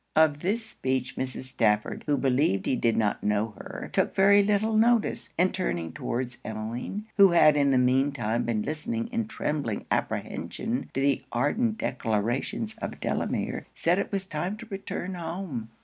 Of this speech, Mrs. Stafford, who believed he did not know her, took very little notice; and turning towards Emmeline, who had in the mean time been listening in trembling apprehension to the ardent declarations of Delamere, said it was time to return home.